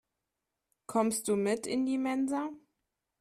Kommst du mit in die Mensa?